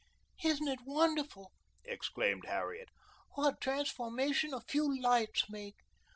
"Isn't it wonderful," exclaimed Harriet, "what a transformation a few lights make?